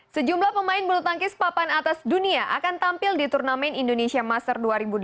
sejumlah pemain bulu tangkis papan atas dunia akan tampil di turnamen indonesia master dua ribu delapan belas